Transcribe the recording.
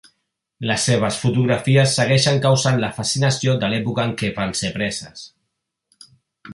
Les seves fotografies segueixen causant la fascinació de l'època en què van ser preses.